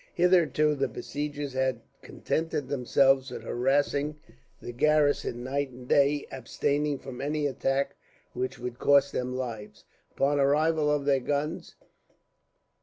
Hitherto the besiegers had contented themselves with harassing the garrison night and day, abstaining from any attack which would cost them lives, until the arrival of their guns.